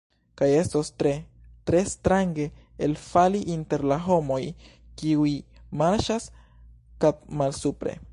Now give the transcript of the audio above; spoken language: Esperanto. Kaj estos tre, tre strange elfali inter la homoj kiuj marŝas kapmalsupre!